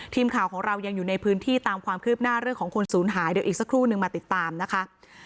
ทีมข่าวของเรายังอยู่ในพื้นที่ตามความคืบหน้าเรื่องของคนศูนย์หายเดี๋ยวอีกสักครู่นึงมาติดตามนะคะ